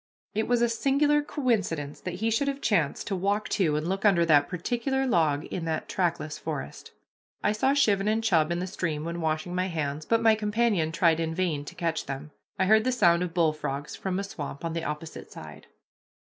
It was a singular coincidence that he should have chanced to walk to and look under that particular log in that trackless forest. I saw chivin and chub in the stream when washing my hands, but my companion tried in vain to catch them. I heard the sound of bullfrogs from a swamp on the opposite side.